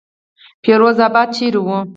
فیروز آباد چېرې وو.